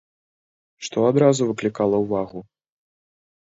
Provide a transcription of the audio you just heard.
Што адразу выклікала ўвагу?